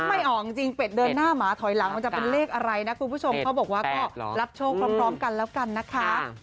ไม่ออกจริงเป็ดเดินหน้าหมาถอยหลังมันจะเป็นเลขอะไรนะคุณผู้ชมเขาบอกว่าก็รับโชคพร้อมกันแล้วกันนะคะ